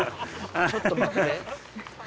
ちょっと待って。